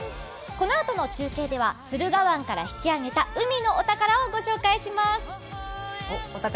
このあとの中継では駿河湾から引き揚げた海のお宝をご紹介します。